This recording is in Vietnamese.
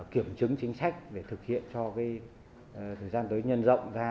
kiểm chứng chính sách để thực hiện cho thời gian tới nhân rộng ra